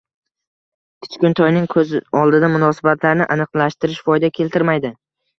Kichkintoyning ko‘z oldida munosabatlarni aniqlashtirish foyda keltirmaydi.